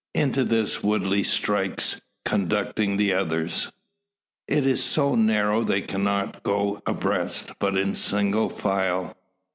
Into this Woodley strikes, conducting the others. It is so narrow they cannot go abreast, but in single file.